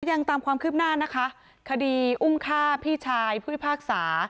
ยังตามความคืบหน้านะคะคดีอุ้มฆ่าพี่ชายผู้พิพากษา